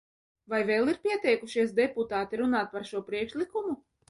Vai vēl ir pieteikušies deputāti runāt par šo priekšlikumu?